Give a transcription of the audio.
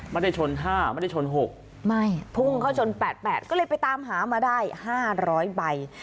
ไม่ได้ชน๕ไม่ได้ชน๖ไม่พุ่งเข้าชน๘๘ก็เลยไปตามหามาได้๕๐๐ใบ